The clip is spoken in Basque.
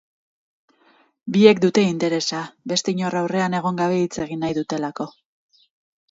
Biek dute interesa, beste inor aurrean egon gabe hitz egin nahi dutelako.